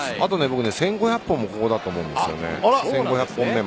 僕、１５００本もここだと思うんです。